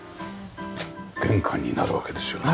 玄関になるわけですよね？